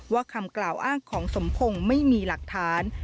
คำกล่าวอ้างของสมพงศ์ไม่มีหลักฐาน